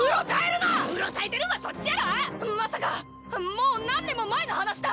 もう何年も前の話だ！